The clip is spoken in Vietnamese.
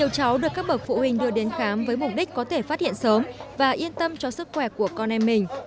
cháu được các bậc phụ huynh đưa đến khám với mục đích có thể phát hiện sớm và yên tâm cho sức khỏe của con em mình